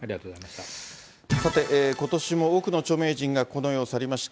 さて、ことしも多くの著名人がこの世を去りました。